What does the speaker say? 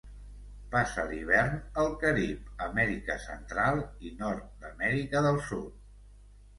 Passa l'hivern al Carib, Amèrica Central i nord d'Amèrica del Sud.